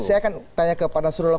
saya akan tanya kepada suruloh